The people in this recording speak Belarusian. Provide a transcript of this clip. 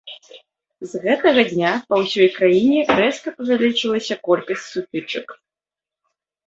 З гэтага дня па ўсёй краіне рэзка павялічылася колькасць сутычак.